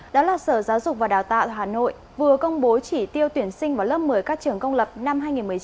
đó là sở giáo dục và đào tạo hà nội vừa công bố chỉ tiêu tuyển sinh vào lớp một mươi các trường công lập năm hai nghìn một mươi chín hai nghìn hai mươi